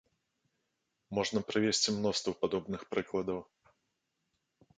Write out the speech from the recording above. Можна прывесці мноства падобных прыкладаў.